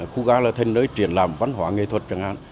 khu ga là thành nơi triển làm văn hóa nghệ thuật chẳng hạn